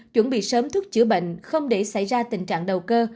chuẩn bị sớm thuốc chữa bệnh không để xảy ra tình trạng đầu cơ